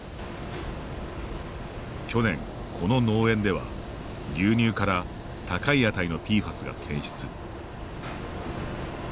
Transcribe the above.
去年、この農園では牛乳から高い値のＰＦＡＳが検出。